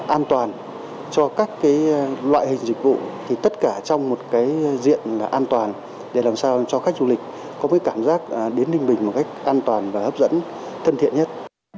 an toàn cho các loại hình dịch vụ thì tất cả trong một cái diện an toàn để làm sao cho khách du lịch có cái cảm giác đến ninh bình một cách an toàn và hấp dẫn thân thiện nhất